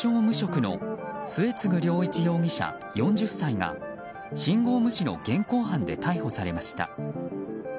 無職の末次良一容疑者、４０歳が信号無視の現行犯で逮捕されました。